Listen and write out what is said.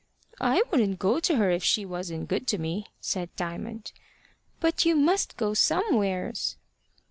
"I wouldn't go to her if she wasn't good to me," said Diamond. "But you must go somewheres."